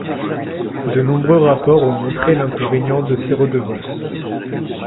De nombreux rapports ont montré l’inconvénient de ces redevances.